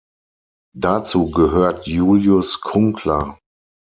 Dazu gehört Julius Kunkler.